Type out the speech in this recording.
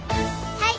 はい！